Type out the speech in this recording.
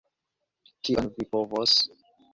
Kion mi povas?